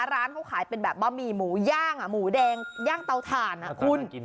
ร้านเขาขายเป็นแบบบะหมี่หมูย่างหมูแดงย่างเตาถ่านคุณ